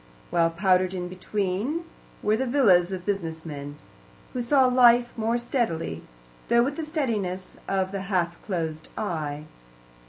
While, powdered in between, were the villas of business men, who saw life more steadily, though with the steadiness of the half closed eye.